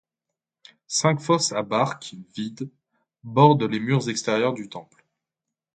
Cinq fosses à barques, vides, bordent les murs extérieurs du temple.